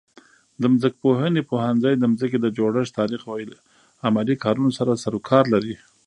د ځمکپوهنې پوهنځی د ځمکې د جوړښت، تاریخ او عملي کارونو سره سروکار لري.